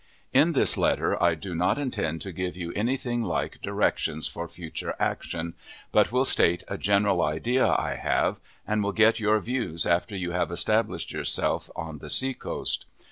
In this letter I do not intend to give you any thing like directions for future action, but will state a general idea I have, and will get your views after you have established yourself on the sea coast.